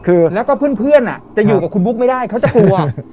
คือแล้วก็เพื่อนจะอยู่กับคุณบุ๊กไม่ได้เขาจะกลัว